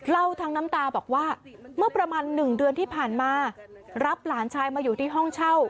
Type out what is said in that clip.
เล่าทั้งน้ำตาบอกว่าเมื่อประมาณ๑เดือนที่ผ่านมารับหลานชายมาอยู่ที่ห้องเช่า